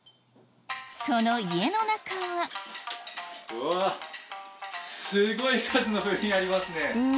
その家の中はうわすごい数の風鈴ありますね。